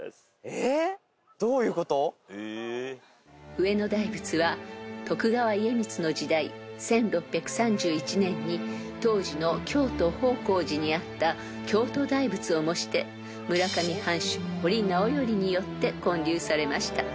［上野大仏は徳川家光の時代１６３１年に当時の京都方広寺にあった京都大仏を模して村上藩主堀直寄によって建立されました］